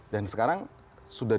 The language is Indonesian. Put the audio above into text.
dan sekarang sudah